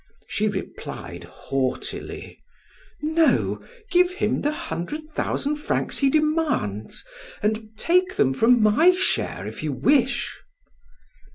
She replied haughtily: "No. Give him the hundred thousand francs he demands, and take them from my share if you wish."